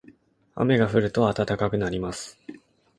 雨が降ると暖かくなります。